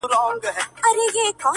څنگه بيلتون كي گراني شعر وليكم~